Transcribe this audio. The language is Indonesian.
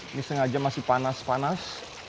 ini sengaja masih panas panas